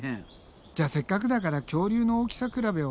じゃあせっかくだから恐竜の大きさ比べをもっとしていこうか。